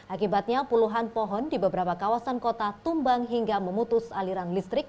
akibatnya puluhan pohon di beberapa kawasan kota tumbang hingga memutus aliran listrik